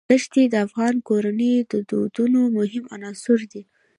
دښتې د افغان کورنیو د دودونو مهم عنصر دی.